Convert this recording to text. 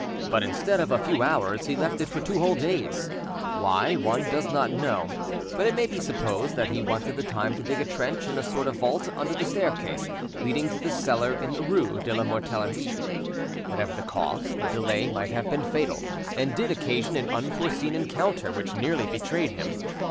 But, instead of a few hours, he left it for two whole days—why, one does not know, but it may be supposed that he wanted the time to dig a trench in a sort of vault under the staircase leading to the cellar in the rue de la Mortellerie. Whatever the cause, the delay might have been fatal, and did occasion an unforeseen encounter which nearly betrayed him.